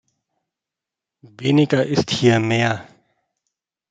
Weniger ist hier mehr!